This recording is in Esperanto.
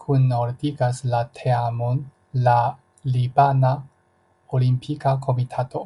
Kunordigas la teamon la Libana Olimpika Komitato.